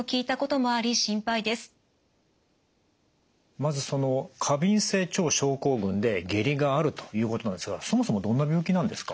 まずその過敏性腸症候群で下痢があるということなんですがそもそもどんな病気なんですか？